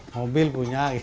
mobil punya gitu